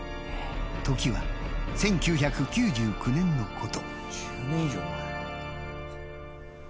時は１９９９年のこと。